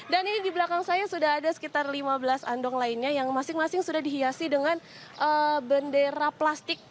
dan ini di belakang saya sudah ada sekitar lima belas andong lainnya yang masing masing sudah dihiasi dengan bendera plastik